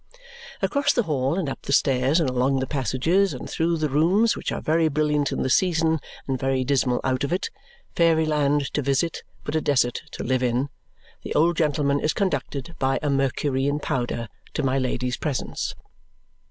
Across the hall, and up the stairs, and along the passages, and through the rooms, which are very brilliant in the season and very dismal out of it fairy land to visit, but a desert to live in the old gentleman is conducted by a Mercury in powder to my Lady's presence.